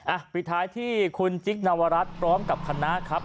ปิดท้ายที่คุณจิ๊กนวรัฐพร้อมกับคณะครับ